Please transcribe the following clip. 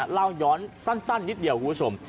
เล่าย้อนสั้นนิดเดียวคุณผู้ชม